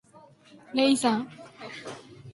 They float down the river in a sea of yellow.